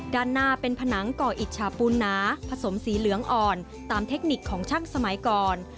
ด้านหน้าเป็นผนังก่ออิจฉาปูนหนาผสมสีเหลืองอ่อนตามเทคนิคของช่างสมัยก่อน